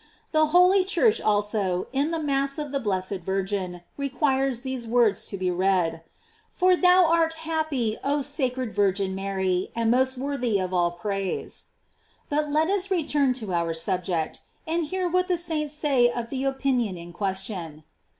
The holy Church also, in the Mass of the blessed Virgin, requires these words to be read: "For thou art happy, oh sacred Yirgin Mary, and most worthy of all praise. "f But let us return to our subject, and hear what the saints say of the opinion in question.